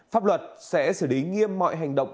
pháp luật sẽ xử lý nghiêm mọi hành động